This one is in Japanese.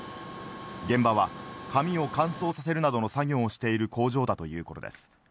現場は紙を乾燥させるなどの作業をしている工場だということです。